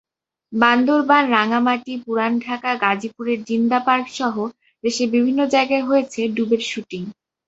বান্দরবান, রাঙামাটি, পুরান ঢাকা, গাজীপুরের জিন্দা পার্কসহ দেশের বিভিন্ন জায়গায় হয়েছে ডুব-এর শুটিং।